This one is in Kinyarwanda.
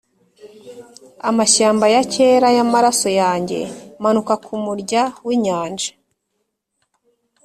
amashyamba ya kera yamaraso yanjye, manuka kumurya winyanja